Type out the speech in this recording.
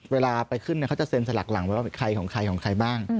เวลาไปขึ้นเขาจะเซ็นสลักหลังไว้ว่าเป็นใครของใครของใครบ้าง